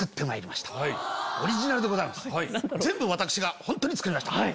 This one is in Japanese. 全部私が本当に作りました。